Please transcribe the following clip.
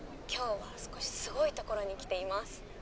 「今日は少しすごい所に来ています」